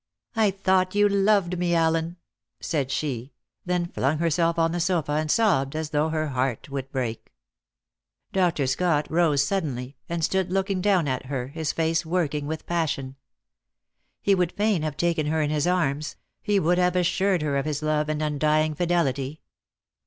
"I thought you loved me, Allen!" said she, then flung herself on the sofa and sobbed as though her heart would break. Dr. Scott rose suddenly, and stood looking down at her, his face working with passion. He would fain have taken her in his arms; he would have assured her of his love and undying fidelity.